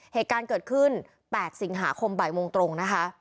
เหตุการณ์เกิดขึ้น๘สิงหาคมบ่ายโมงตรงนะคะ